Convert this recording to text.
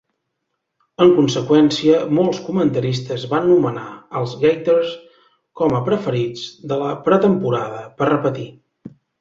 En conseqüència, molts comentaristes van nomenar els Gators com a preferits de la pretemporada per repetir.